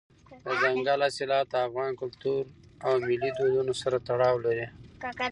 دځنګل حاصلات د افغان کلتور او ملي دودونو سره تړاو لري.